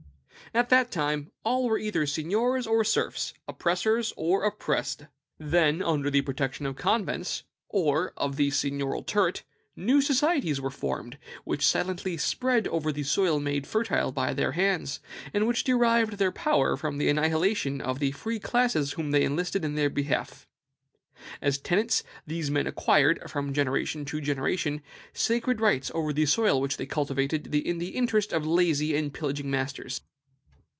At that time, all were either seigniors or serfs, oppressors or oppressed. "Then, under the protection of convents, or of the seigniorial turret, new societies were formed, which silently spread over the soil made fertile by their hands, and which derived their power from the annihilation of the free classes whom they enlisted in their behalf. As tenants, these men acquired, from generation to generation, sacred rights over the soil which they cultivated in the interest of lazy and pillaging masters.